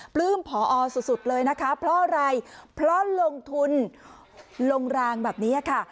ปลื้มพอสุดเลยนะคะเพราะอะไรเพราะลงทุนลงรางแบบนี้ค่ะ